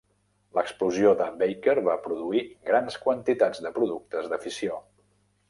L'explosió de "Baker" va produir grans quantitats de productes de fissió.